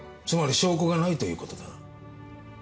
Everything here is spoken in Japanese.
つまり証拠がないという事だ。